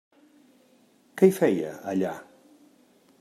Què hi feia, allà?